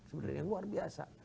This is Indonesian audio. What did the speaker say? sebenarnya yang luar biasa